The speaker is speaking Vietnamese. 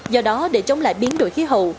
do đó để chống lại biến đổi khí hậu